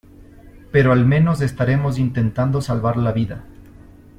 pero al menos estaremos intentando salvar la vida.